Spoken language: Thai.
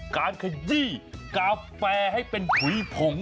ขยี้กาแฟให้เป็นผุยผง